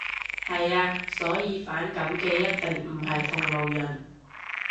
係呀。所以反感嘅一定唔係同路人